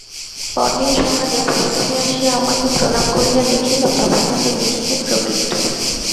পরদিন সকালে বোষ্টমী আসিয়া আমাকে প্রণাম করিয়া দেখিল, তখনো আমি লিখিতে প্রবৃত্ত।